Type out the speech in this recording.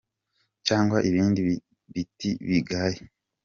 Cyangwa ibindi biti bigaye.